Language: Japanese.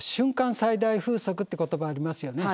最大風速って言葉ありますよね。